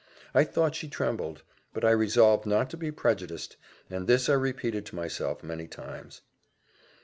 I thought she trembled; but I resolved not to be prejudiced and this I repeated to myself many times.